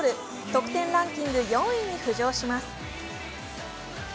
得点ランキング４位に浮上します。